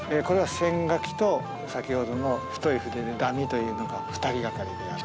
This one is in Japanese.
これは線描きと先ほどの太い筆で濃みというのが２人掛かりで。